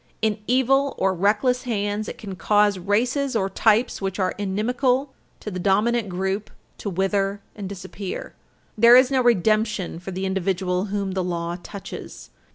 In evil or reckless hands, it can cause races or types which are inimical to the dominant group to wither and disappear. There is no redemption for the individual whom the law touches.